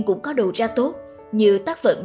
cũng có đầu ra tốt như tác phẩm